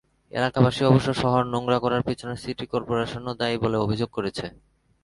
এলাকাবাসী অবশ্য শহর নোংরা করার পেছনে সিটি করপোরেশনও দায়ী বলে অভিযোগ করেছে।